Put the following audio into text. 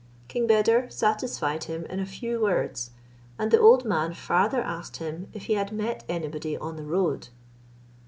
King Beder satisfied him in a few words; and the old man farther asked him if he had met anybody on the road?